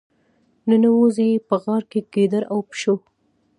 ننوزي یې په غار کې ګیدړ او پيشو.